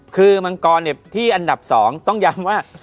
คือมังกรที่อันดับ๒ต้องย้ำว่า